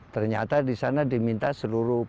ternyata di sana diminta seluruh